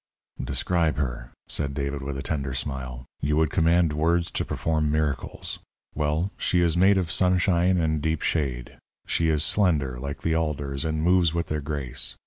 "Describe her!" said David with a tender smile. "You would command words to perform miracles. Well, she is made of sunshine and deep shade. She is slender, like the alders, and moves with their grace.